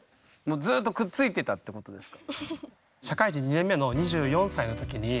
ずっとくっついてたってことですか？